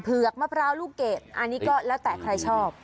มะพร้าวลูกเกดอันนี้ก็แล้วแต่ใครชอบ